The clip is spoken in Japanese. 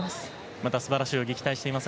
また素晴らしい泳ぎ期待しています。